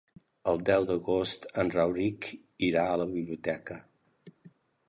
El deu d'agost en Rauric irà a la biblioteca.